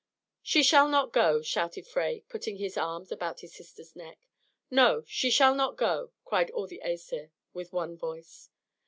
"She shall not go!" shouted Frey, putting his arms about his sister's neck. "No, she shall not go!" cried all the Asir with one voice.